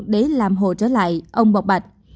để làm hồ trở lại ông bọc bạch